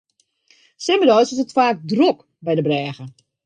Simmerdeis is it faak drok by de brêge.